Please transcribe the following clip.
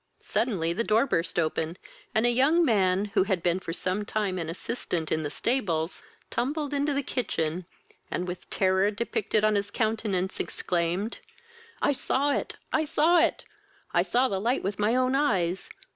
Suddenly the door burst open, and a young man, who had been for some time an assistant in the stables, tumbled into the kitchen, and, with terror depicted on his countenance, exclaimed, "I saw it, I saw it!==I saw the light with my own eyes!